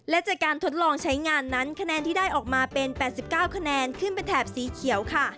และจากการทดลองใช้งานนั้นคะแนนที่ได้ออกมาเป็น๘๙คะแนนขึ้นเป็นแถบสีเขียวค่ะ